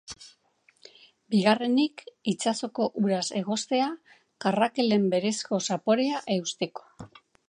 Bigarrenik itsasoko uraz egostea, karrakelen berezko zaporeari eusteko.